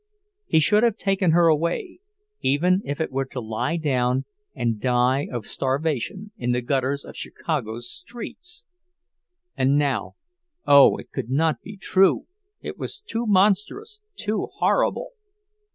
He should have taken her away, even if it were to lie down and die of starvation in the gutters of Chicago's streets! And now—oh, it could not be true; it was too monstrous, too horrible.